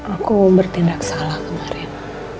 aku bertindak salah kemarin